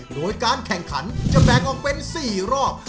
โดยการแข่งขันจะแบ่งออกเป็น๔รอบ